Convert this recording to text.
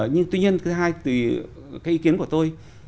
nhưng tuy nhiên thứ hai tùy cái ý kiến của tôi